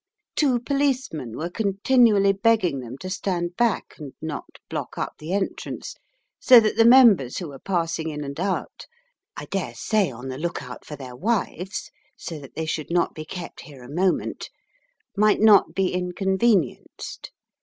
Two policemen were continually begging them to stand back and not block up the entrance, so that the members who were passing in and out (I dare say on the look out for their wives, so that they should not be kept here a moment) might not be inconvenienced.